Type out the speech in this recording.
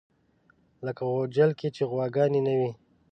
لکه غوجل کې چې غواګانې نه وي.